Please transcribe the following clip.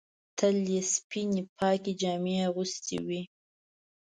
تل یې سپینې پاکې جامې اغوستې وې.